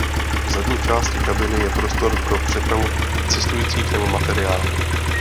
V zadní části kabiny je prostor pro přepravu cestujících nebo materiálu.